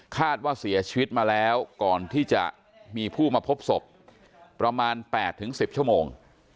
คาดว่าเสียชีวิตมาแล้วก่อนที่จะมีผู้มาพบศพประมาณ๘๑๐ชั่วโมง